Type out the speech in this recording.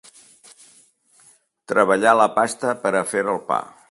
Treballar la pasta per a fer el pa.